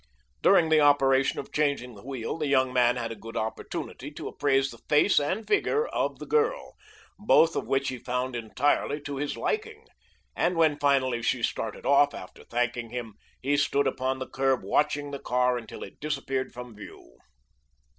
During the operation of changing the wheel the young man had a good opportunity to appraise the face and figure of the girl, both of which he found entirely to his liking, and when finally she started off, after thanking him, he stood upon the curb watching the car until it disappeared from view.